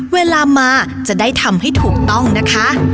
เวลามาจะได้ทำให้ถูกต้องนะคะ